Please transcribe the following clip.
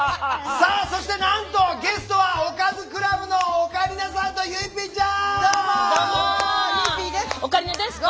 さあ、そしてなんとゲストはおかずクラブのオカリナさんとゆいＰちゃん！